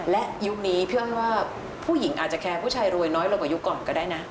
และยุคนี้พี่อ้อยว่าผู้หญิงอาจจะแคร์ผู้ชายรวยน้อยลงกว่ายุคก่อนก็ได้นะ